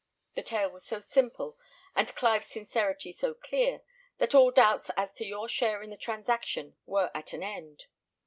The tale was so simple, and Clive's sincerity so clear, that all doubts as to your share in the transaction were at an end.